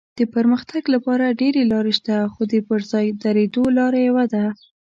د پرمختګ لپاره ډېرې لارې شته خو د پر ځای درېدو لاره یوه ده.